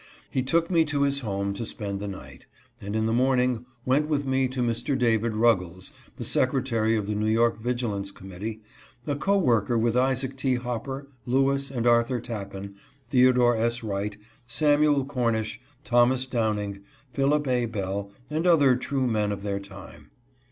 He took me to his home to spend the night, and in the morning went with me to Mr. David Ruggles, the secre tary of the New York vigilance committee, a co worker with Isaac T. Hopper, Lewis and Arthur Tappan, Theo dore S. Wright, Samuel Cornish, Thomas Downing, Philip A. Bell, and other true men of their time.